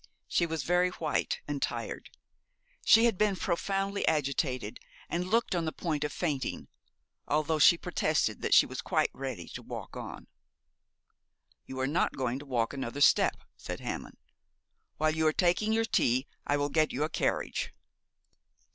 She was very white and tired. She had been profoundly agitated, and looked on the point of fainting, although she protested that she was quite ready to walk on. 'You are not going to walk another step,' said Hammond. 'While you are taking your tea I will get you a carriage.'